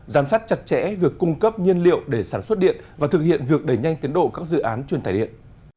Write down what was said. giám sát chặt chẽ việc cung cấp nhiên liệu để sản xuất điện và thực hiện việc đẩy nhanh tiến độ các dự án truyền tải điện